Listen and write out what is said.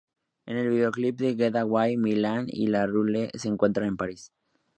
En el videoclip de Get Away, Milian y Ja Rule se encuentran en París.